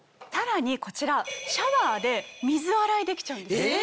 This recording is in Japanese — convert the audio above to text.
さらにこちらシャワーで水洗いできちゃうんです。